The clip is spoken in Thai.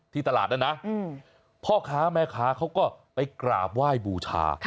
ตลาดนั้นนะพ่อค้าแม่ค้าเขาก็ไปกราบไหว้บูชา